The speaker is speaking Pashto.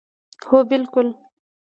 هو بلکل